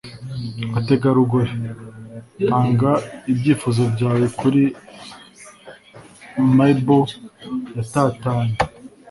bategarugori, tanga ibyifuzo byawe kuri marble yatatanye